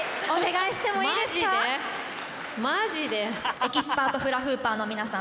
エキスパートフラフーパーの皆さん